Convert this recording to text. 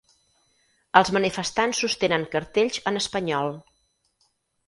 Els manifestants sostenen cartells en espanyol.